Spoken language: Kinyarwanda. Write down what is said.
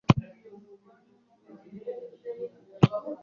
Ikimpangayikishije cyane ni aho ifunguro ryanjye ritaha rizava.